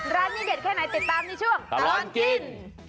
ร้านนี้เด็ดแค่ไหนติดตามในช่วงตลอดกิน